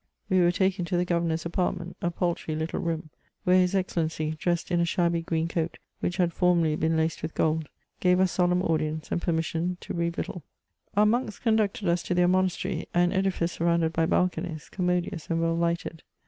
We were taken to the governor's apart ment, a paltiy little room, where his excellency, dressed in a shabby green coat which had formerly been laced with gold, gave us solemn audience, and permission to re victual. Our monks conducted us to their monastery, an edifice sur rounded by balconies, commodious and well lighted.